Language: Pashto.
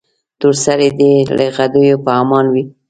تور سرې دې له غدیو په امان وي.